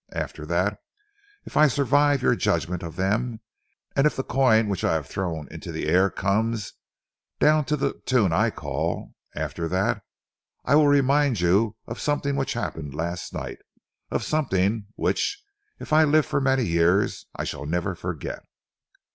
After that, if I survive your judgment of them, and if the coin which I have thrown into the air comes, down to the tune I call after that I will remind you of something which happened last night of something which, if I live for many years, I shall never forget."